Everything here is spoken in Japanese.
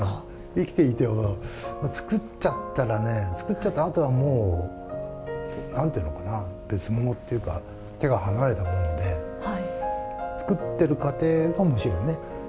生きていても作っちゃったらね、作っちゃったあとはもう、なんていうのかな、別物っていうか、手が離れたもので、作ってる過程がおもしろいね。